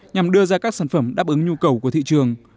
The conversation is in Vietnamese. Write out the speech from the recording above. nhằm đưa ra các sản phẩm đáp ứng nhu cầu của thị trường